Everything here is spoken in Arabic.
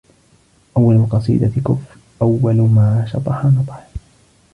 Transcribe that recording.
أول القصيدة كفر أول ما شطح نطح